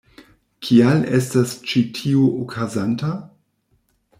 Kial estas ĉi tiu okazanta?